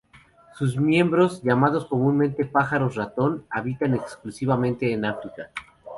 Sus miembros, llamados comúnmente pájaros ratón, habitan exclusivamente en África.